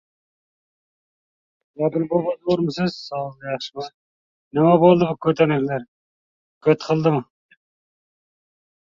Baxtsizlik faqat kurash bilan yengiladi.